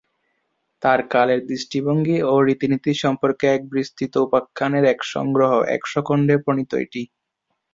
তার কালের দৃষ্টিভঙ্গি ও রীতিনীতি সম্পর্কে এক বিস্তৃত উপাখ্যানের এক সংগ্রহ, একশ খণ্ডে প্রণীত এটি।